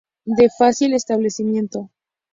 De fácil establecimiento.